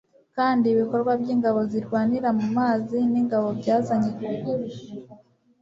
Kandi ibikorwa by'ingabo zirwanira mu mazi n'ingabo byazanye kugwa